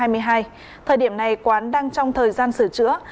thời điểm này quán đang trong thời gian sửa chữa